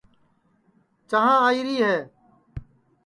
چانٚھ آئیری ہے